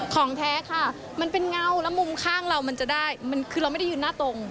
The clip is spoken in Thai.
ของแท้ค่ะมันเป็นเงาแล้วมุมข้างเรามันจะได้มันคือเราไม่ได้ยืนหน้าตรง